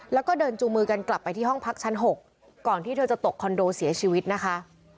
แล้วก็เดินจูงมือกันกลับไปที่ห้องพักชั้น๖ก่อนที่เธอจะตกคอนโดเสียชีวิตนะคะ